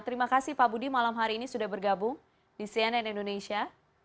terima kasih pak budi malam hari ini sudah bergabung di cnn indonesia